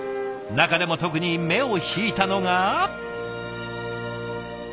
中でも特に目を引いたのが。